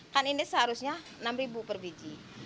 kan ini seharusnya rp enam per biji